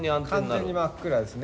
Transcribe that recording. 完全に真っ暗ですね。